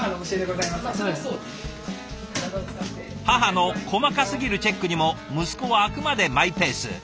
母の細かすぎるチェックにも息子はあくまでマイペース。